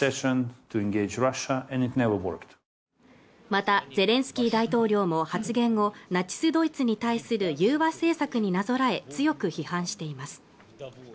またゼレンスキー大統領も発言をナチスドイツに対する融和政策になぞらえ強く批判しています